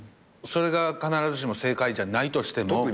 それが必ずしも正解じゃないとしても。